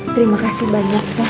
terima kasih banyak pak